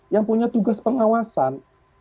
yang punya tugas pengawasan